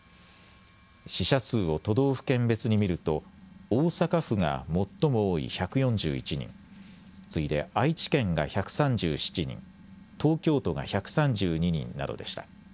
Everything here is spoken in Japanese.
死者数を都道府県別に見ると大阪府が最も多い１４１人、次いで愛知県が１３７人、東京都が１３２人などでした。